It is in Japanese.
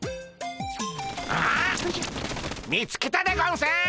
見つけたでゴンス！